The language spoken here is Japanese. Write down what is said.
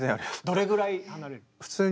どれぐらい離れる？